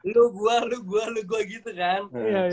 lu gua lu gua lu gua gitu kan